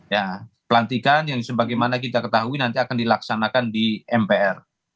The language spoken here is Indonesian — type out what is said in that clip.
ya pelantikan yang sebagaimana kita ketahui nanti akan dilaksanakan di mpr